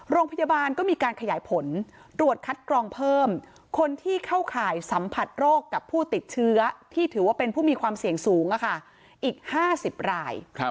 โรงพยาบาลก็มีการขยายผลตรวจคัดกรองเพิ่มคนที่เข้าข่ายสัมผัสโรคกับผู้ติดเชื้อที่ถือว่าเป็นผู้มีความเสี่ยงสูงอีก๕๐ราย